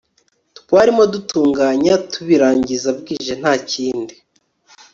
twarimo dutunganya tubirangiza bwije ntakindi